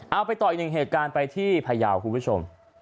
เอาไปต่ออีกหนึ่งเหตุการณ์ไปที่พยาวคุณผู้ชม